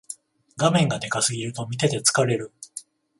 画面がでかすぎると見てて疲れる